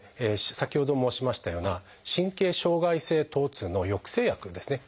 先ほど申しましたような神経障害性疼痛の抑制薬ですね